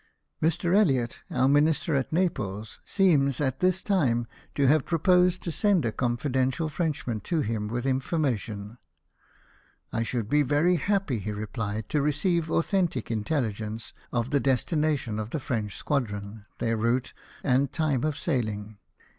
Mr. Elliot, our Minister at Naples, seems, at this time, to have proposed to send a confidential Frenchman to him with information. "I should be very happy," he replied, "to receive authentic intelligence of the 280 LIFE OF NELSON. destination of the Frencli squadron, their route, and time of saihng.